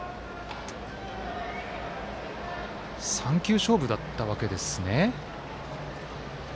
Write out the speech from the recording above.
３球勝負だったわけですね。